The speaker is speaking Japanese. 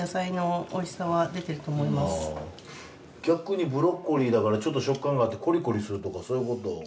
逆にブロッコリーだからちょっと食感があってコリコリするとかそういうこと。